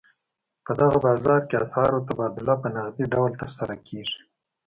په دغه بازار کې اسعارو تبادله په نغدي ډول ترسره کېږي.